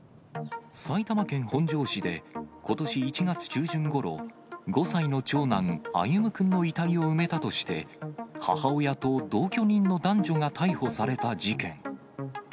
埼玉県本庄市でことし１月中旬ごろ、５歳の長男、歩夢くんの遺体を埋めたとして、母親と同居人の男女が逮捕された事件。